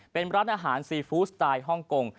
เป็นร้านอาหารซีฟู้ดสไตล์ฮ่องกง